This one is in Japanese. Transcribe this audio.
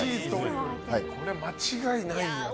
これは間違いないやつ。